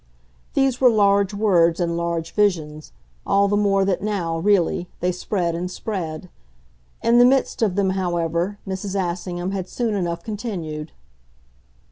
These were large words and large visions all the more that now, really, they spread and spread. In the midst of them, however, Mrs. Assingham had soon enough continued.